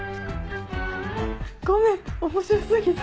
ごめん面白過ぎて。